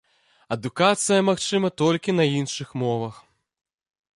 Адукацыя магчыма толькі на іншых мовах.